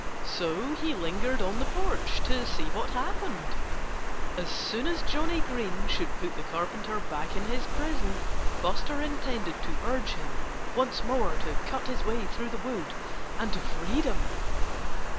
So he lingered on the porch to see what happened. As soon as Johnnie Green should put the Carpenter back in his prison Buster intended to urge him once more to cut his way through the wood and to freedom.